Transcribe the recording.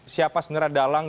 siapa segera dalang